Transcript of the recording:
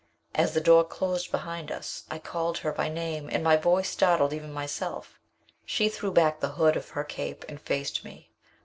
As the door closed behind us, I called her by name and my voice startled even myself. She threw back the hood of her cape and faced me.